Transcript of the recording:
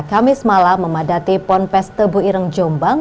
kami semalam memadati pon pes tebu ireng jombang